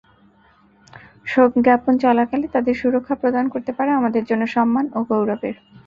শোকজ্ঞাপন চলাকালে তাদের সুরক্ষা প্রদান করতে পারা আমাদের জন্য সম্মান ও গৌরবের।